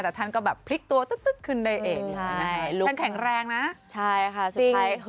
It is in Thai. แต่ท่านก็พลิกตัวขึ้นใดเอกแข็งแรงนะใช่ค่ะสุดท้าย